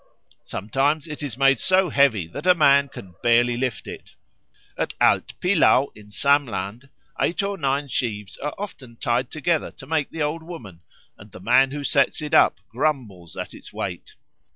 Sometimes it is made so heavy that a man can barely lift it. At Alt Pillau, in Samland, eight or nine sheaves are often tied together to make the Old Woman, and the man who sets it up grumbles at its weight.